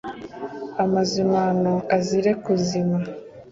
Amazimano azire kuzima